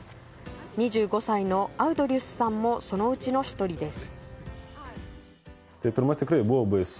２５歳のアウドリュスさんもそのうちの１人です。